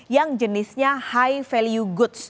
yang jenisnya high value goods